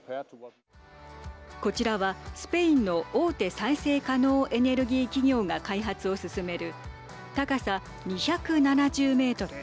こちらは、スペインの大手再生可能エネルギー企業が開発を進める高さ２７０メートル